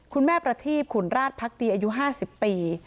คุณแม่ประธีบขุนราชท์ภักดีอายุ๕๐ปี